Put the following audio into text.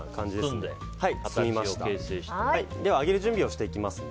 では、揚げる準備をしていきます。